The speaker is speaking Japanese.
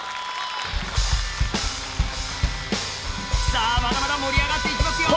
さあ、まだまだ盛り上がっていきますよ。